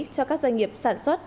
cho các doanh nghiệp sản xuất